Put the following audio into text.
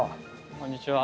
こんにちは。